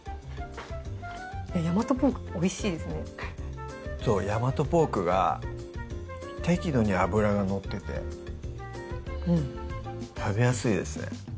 ヤマトポークおいしいですねそうヤマトポークが適度に脂が乗ってて食べやすいですね